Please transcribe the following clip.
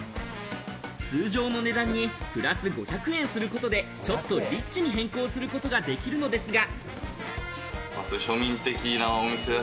通常の値段にプラス５００円することで、ちょっとリッチに変更することができるのですが。